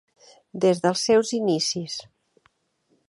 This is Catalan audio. Des dels seus inicis.